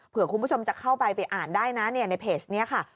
คุณผู้ชมจะเข้าไปไปอ่านได้นะในเพจนี้ค่ะ